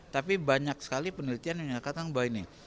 tapi banyak sekali penelitian yang menyatakan bahwa ini